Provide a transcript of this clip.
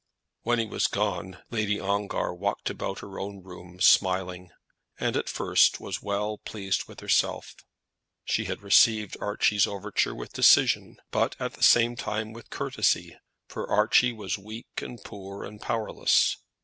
When he was gone Lady Ongar walked about her own room smiling, and at first was well pleased with herself. She had received Archie's overture with decision, but at the same time with courtesy, for Archie was weak, and poor, and powerless.